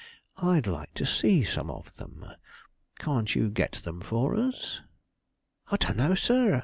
I'd like to see some of them. Can't you get them for us?" "I don't know, sir.